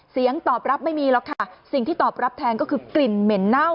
เสียงตอบรับไม่มีหรอกค่ะสิ่งที่ตอบรับแทนก็คือกลิ่นเหม็นเน่า